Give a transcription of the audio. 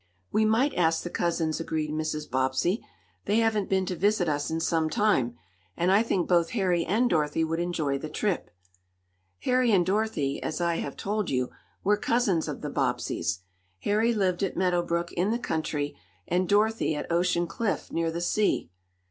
"We might ask the cousins," agreed Mrs. Bobbsey. "They haven't been to visit us in some time, and I think both Harry and Dorothy would enjoy the trip." Harry and Dorothy, as I have told you, were cousins of the Bobbseys. Harry lived at Meadow Brook, in the country, and Dorothy at Ocean Cliff, near the sea.